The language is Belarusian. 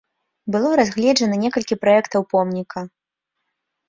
Было разгледжана некалькі праектаў помніка.